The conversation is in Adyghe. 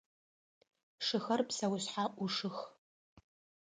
Шыхэр псэушъхьэ ӏушых.